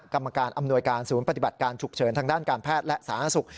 กรรมการอำนวยการศูนย์ปฏิบัติการฉุกเฉินทางด้านการแพทย์และสาธารณสุข